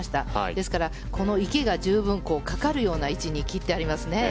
ですからこの池が十分かかるような位置に切っていますね。